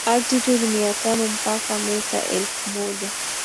altitude mia tano mpaka meta elfu moja